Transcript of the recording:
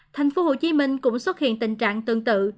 thành phố hồ chí minh cũng xuất hiện tình trạng tương tự